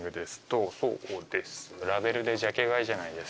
ラベルでジャケ買いじゃないですけど。